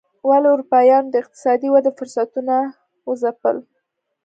ولې اروپایانو د اقتصادي ودې فرصتونه وځپل.